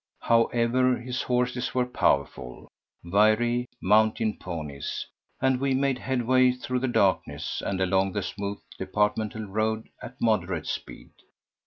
However, his horses were powerful, wiry, mountain ponies, and we made headway through the darkness and along the smooth, departmental road at moderate speed.